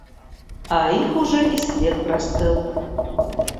А их уже и след простыл.